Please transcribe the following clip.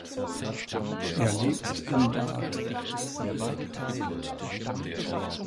Er lebt in Bath.